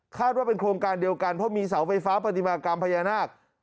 ว่าเป็นโครงการเดียวกันเพราะมีเสาไฟฟ้าปฏิมากรรมพญานาค